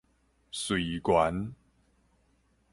瑞源